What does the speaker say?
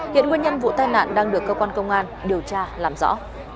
hiện nguyên nhân vụ tai nạn đang được cơ quan công an điều tra làm rõ